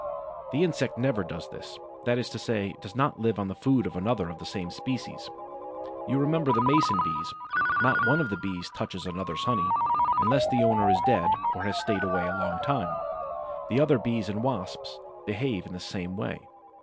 The insect never does this; that is to say, it does not live on the food of another of the same species. You remember the Mason bees: not one of the Bees touches another's honey, unless the owner is dead or has stayed away a long time. The other Bees and Wasps behave in the same way.